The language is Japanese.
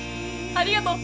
ありがとう！